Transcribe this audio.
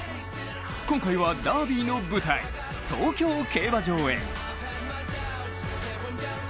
今回は、ダービーの舞台、東京競馬場へ。